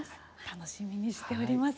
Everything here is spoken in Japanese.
楽しみにしております。